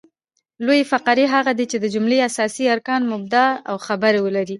لویي فقرې هغه دي، چي د جملې اساسي ارکان مبتداء او خبر ولري.